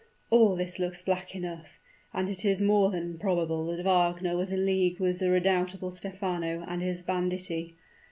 All this looks black enough, and it is more than probable that Wagner was in league with the redoubtable Stephano and his banditti.